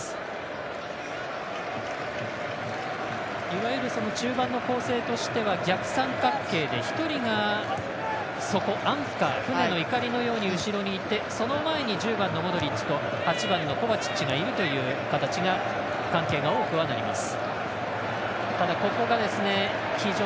いわゆる中盤の構成としては逆三角形で一人が底、アンカー船のいかりのように後ろにいてその前に１０番のモドリッチと８番のコバチッチがいるという形が多くはなります。